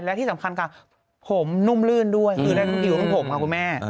และที่สำคัญค่ะผมนุ่มลื่นด้วยคือได้ทั้งอิวทั้งผมค่ะคุณแม่